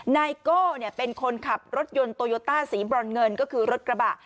นายโก้เป็นคนขับรถยนต์โตโยต้าสีบรอนเงินก็คือรถกระบะ